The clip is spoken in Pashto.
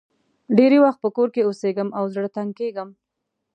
ډېری وخت په کور کې اوسېږم او زړه تنګ کېږم.